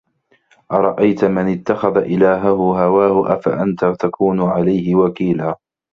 أَرَأَيتَ مَنِ اتَّخَذَ إِلهَهُ هَواهُ أَفَأَنتَ تَكونُ عَلَيهِ وَكيلًا